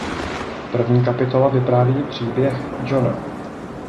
První kapitola vypráví příběh Johna.